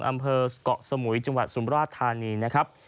อำเภอกเกาะสมุยจังหวัดสุมราชธานีนะครับ